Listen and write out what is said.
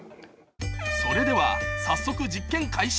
それでは早速実験開始